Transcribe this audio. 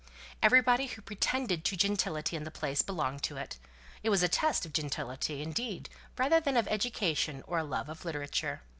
Everybody who pretended to gentility in the place belonged to it. It was a test of gentility, indeed, rather than of education or a love of literature.